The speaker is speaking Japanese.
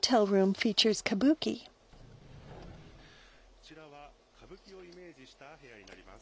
こちらは、歌舞伎をイメージした部屋になります。